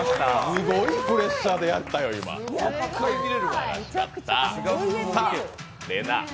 すごいプレッシャーでやったよ、すごかった。